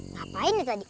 ngapain ya tadi